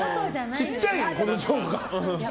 ちっちゃい、このジョーカー。